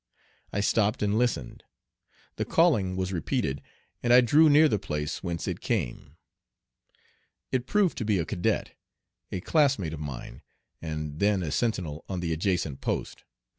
I stopped and listened. The calling was repeated, and I drew near the place whence it came. It proved to be a cadet, a classmate of mine, and then a sentinel on the adjacent post, No.